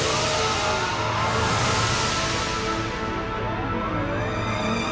kami menggunakan uang esto yang rappat tahun ini menghasilkan kesehatan pada kompleks